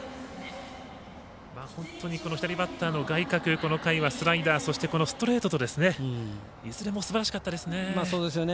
本当に左バッターの外角この回はスライダーそしてストレートといずれもすばらしかったですね。